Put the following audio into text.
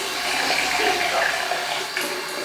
袂當